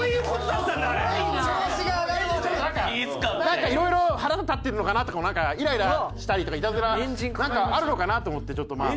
なんかいろいろ腹が立ってるのかな？とかなんかイライラしたりとかいたずらなんかあるのかなと思ってちょっとまあ。